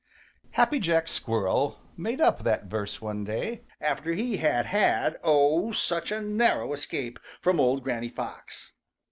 |Happy Jack squirrel made up that verse one day after he had had oh, such a narrow escape from old Granny Fox.